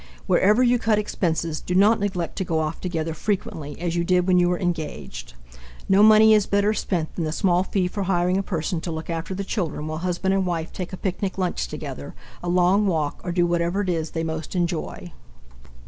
Wherever you cut expenses, do not neglect to go off together frequently as you did when you were engaged. No money is better spent than the small fee for hiring a person to look after the children while husband and wife take a picnic lunch together, a long walk, or do whatever it is they most enjoy.